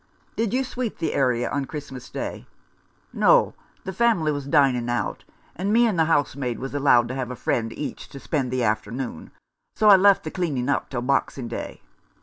" Did you sweep the area on Christmas Day ?"" No, the family was dining out, and me and the housemaid was allowed to have a friend each to spend the afternoon, so I left the cleaning up till Boxing Day."